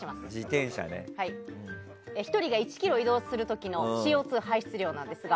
１人で１ｋｍ移動するときのＣＯ２排出量ですが